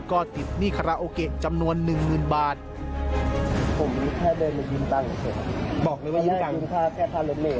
ก็ติดหนี้คาราโอเกะจำนวนหนึ่งหมื่นบาท